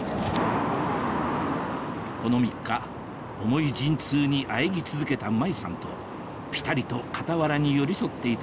この３日重い陣痛にあえぎ続けた麻衣さんとピタリと傍らに寄り添っていた